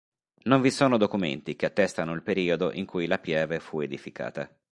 Non vi sono documenti che attestano il periodo in cui la pieve fu edificata.